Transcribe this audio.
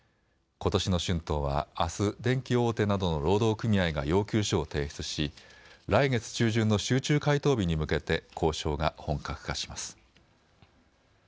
ことしの春闘はあす電機大手などの労働組合が要求書を提出し来月中旬の集中回答日に向けて交渉が本格化します。